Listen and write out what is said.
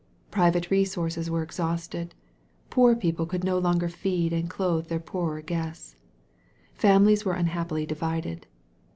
Private resources were exhausted. Poor people could no longer feed and clothe their poorer guests. Families were unhappily divided.